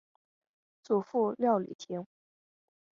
祖父廖礼庭。